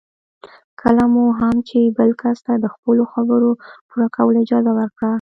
کله مو هم چې بل کس ته د خپلو خبرو پوره کولو اجازه ورکړه.